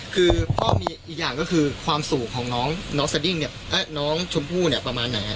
คือก็มีอีกอย่างก็คือความสูงของน้องสดิ้งเนี่ยและน้องชมพู่เนี่ยประมาณไหนฮะ